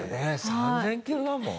３０００キロだもん。